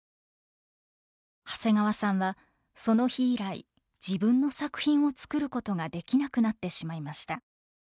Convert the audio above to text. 長谷川さんはその日以来自分の作品を作ることができなくなってしまいました。